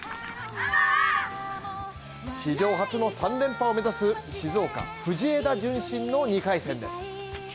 史上初の３連覇を目指す静岡藤枝順心の２回戦です。